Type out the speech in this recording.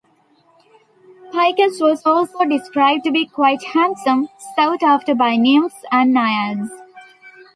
Picus was also described to be quite handsome, sought after by nymphs and naiads.